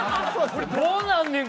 これ、どうなんねん？